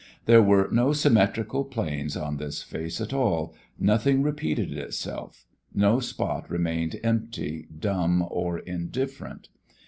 There were no symmetrical planes in this face at all, nothing repeated itself, no spot remained empty, dumb or indifferent.